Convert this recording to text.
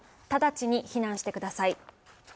直ちに避難してください。